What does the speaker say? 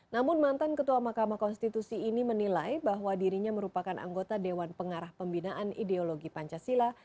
namun mantan ketua mahkamah konstitusi ini menilai bahwa dirinya merupakan anggota dewan pengarah pembinaan ideologi pancasila